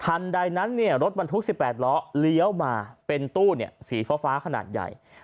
ใดนั้นรถบรรทุก๑๘ล้อเลี้ยวมาเป็นตู้สีฟ้าขนาดใหญ่